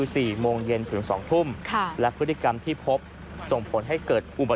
สูงสุดแน่นอนมาวแล้วคับ